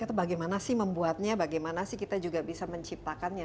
atau bagaimana sih membuatnya bagaimana sih kita juga bisa menciptakannya